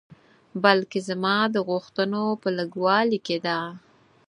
بلکې زما د غوښتنو په لږوالي کې ده.